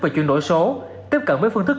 về chuyển đổi số tiếp cận với phương thức